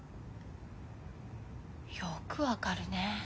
よく分かるね。